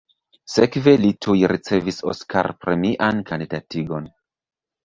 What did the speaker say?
Sekve li tuj ricevis Oskar-premian kandidatigon.